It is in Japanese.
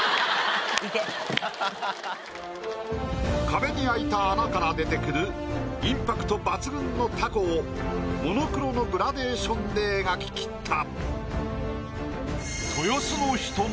壁に開いた穴から出てくるインパクト抜群のタコをモノクロのグラデーションで描ききった。